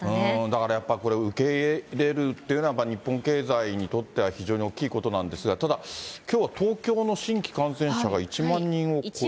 だからやっぱりこれ、受け入れるっていうのは、やっぱり日本経済にとっては非常に大きいことなんですが、ただ、きょうは東京の新規感染者が１万人を。